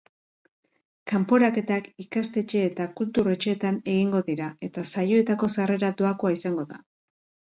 Kanporaketak ikastetxe eta kultur etxeetan egingo dira eta saioetako sarrera doakoa izango da.